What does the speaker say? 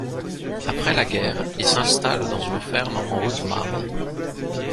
Après la guerre il s'installe dans une ferme en Haute-Marne.